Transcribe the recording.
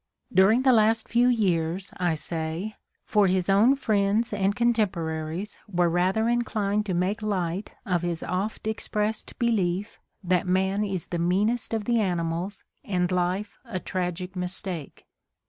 During the last few years, I say, for his own friends and contemporaries were rather inclined to make light of his oft expressed belief that man is the meanest of the animals and life a tragic mistake.